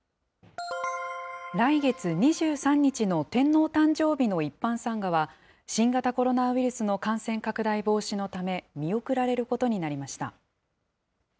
来月２３日の天皇誕生日の一般参賀は、新型コロナウイルスの感染拡大防止のため、見送られることになりました。